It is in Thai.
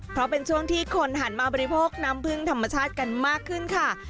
เพราะเป็นช่วงที่คนหันมาบริโภคน้ำพึ่งธรรมชาติกันมากขึ้นค่ะ